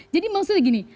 jadi maksudnya gini